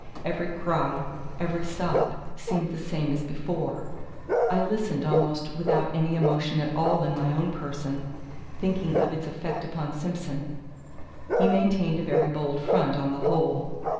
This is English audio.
Every cry, every sob seemed the same as before. I listened almost without any emotion at all in my own person, thinking of its effect upon Simson. He maintained a very bold front, on the whole.